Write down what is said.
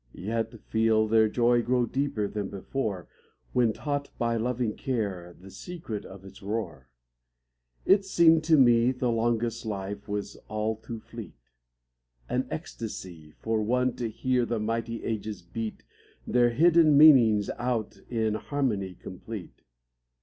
Yet feel their joy grow deeper than before ^\^len taught by loving care the secret of its roar :) It seemed to me The longest life was all too fleet An ecstasy. For one to hear the mighty ages beat Their hidden meanings out in harmony complete.